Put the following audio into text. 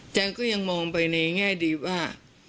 ก็ยังมองไปในแง่ดีว่า